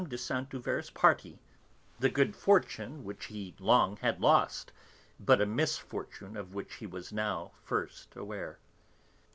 de Saint Euverte's party, the good fortune which he long had lost, but a misfortune of which he was now first aware.